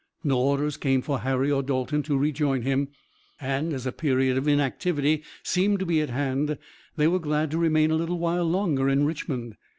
No orders came for Harry or Dalton to rejoin him, and, as a period of inactivity seemed to be at hand, they were glad to remain a while longer in Richmond.